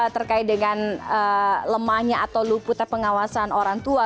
terkait dengan lemahnya atau luputnya pengawasan orang tua